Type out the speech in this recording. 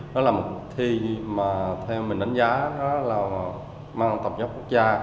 đó là một cuộc thi mà theo mình đánh giá là mang tập nhập quốc gia